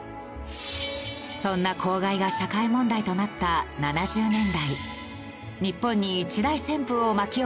そんな公害が社会問題となった７０年代。